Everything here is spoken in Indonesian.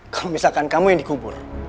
kalau misalkan kamu yang dikubur